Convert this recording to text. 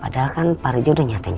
padahal kan pak rija udah nyatain cinta